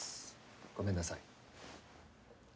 ごめんなさい。